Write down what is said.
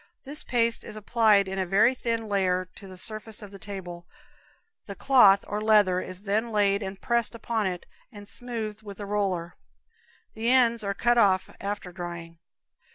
This paste is applied in a very thin layer to the surface of the table; the cloth, or leather, is then laid and pressed upon it, and smoothed with a roller. The ends are cut off after drying.